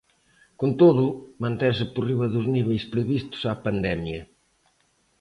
Con todo, mantense por riba dos niveis previos á pandemia.